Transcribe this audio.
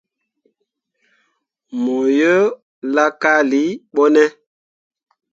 Mo yo laakalii ɓo ne ?